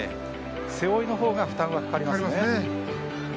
背負いの方が負担はかかりますよね。